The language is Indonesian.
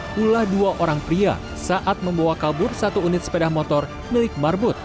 pula dua orang pria saat membawa kabur satu unit sepeda motor milik marbut